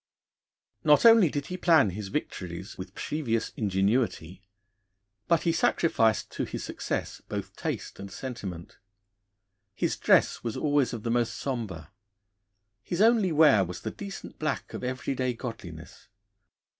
Not only did he plan his victories with previous ingenuity, but he sacrificed to his success both taste and sentiment. His dress was always of the most sombre; his only wear was the decent black of everyday godliness.